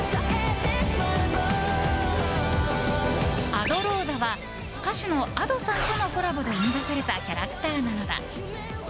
アドローザは歌手のＡｄｏさんとのコラボで生み出されたキャラクターなのだ。